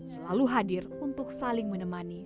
selalu hadir untuk saling menemani